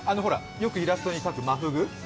よくイラストに描くマフグ。